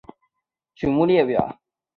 曲目列表